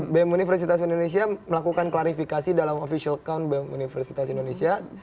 bem universitas indonesia melakukan klarifikasi dalam official account bem universitas indonesia